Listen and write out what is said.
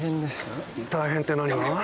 大変って何が？